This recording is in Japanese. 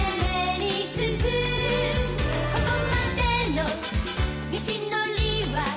「ここまでの道のりは」